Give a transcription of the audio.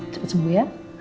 cepat sembuh ya